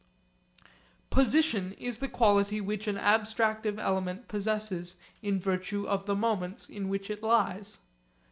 Position is the quality which an abstractive element possesses in virtue of the moments in which it lies.